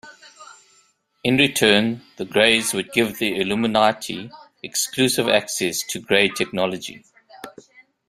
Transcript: In return the Greys would give the Illuminati exclusive access to Grey technology.